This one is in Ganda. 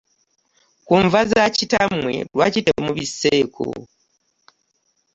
Ku nva za kitammwe lwaki temubisseeko?